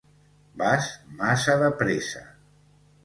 Vas massa depressa!